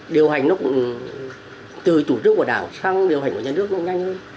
điều hành nó cũng từ chủ trức của đảng sang điều hành của nhà nước nó nhanh hơn